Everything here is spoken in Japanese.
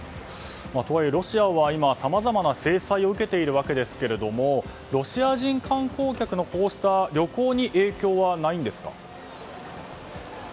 とはいえ、ロシアは今さまざまな制裁を受けているわけですけれどもロシア人観光客のこうした旅行に影響はないんですか？